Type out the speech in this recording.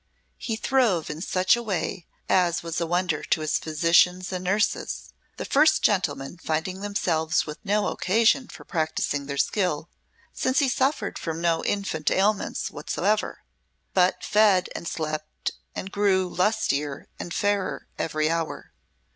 He throve in such a way as was a wonder to his physicians and nurses, the first gentlemen finding themselves with no occasion for practising their skill, since he suffered from no infant ailments whatsoever, but fed and slept and grew lustier and fairer every hour.